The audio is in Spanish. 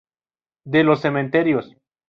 De los cementerios.